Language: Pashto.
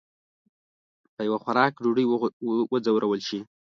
په یو خوراک ډوډۍ وځورول شي.